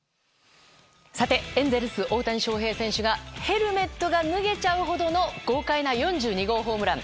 エンゼルス、大谷翔平選手がヘルメットが脱げちゃうほどの豪快な４２号ホームラン。